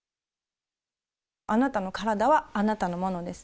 あなたの体はあなたのものです。